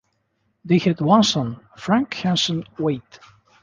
They had one son, Frank Hanson Waite.